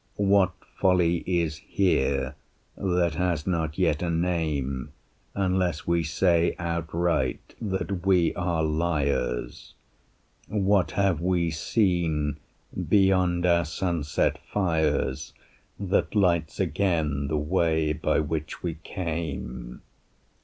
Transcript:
What folly is here that has not yet a name Unless we say outright that we are liars? What have we seen beyond our sunset fires That lights again the way by which we came?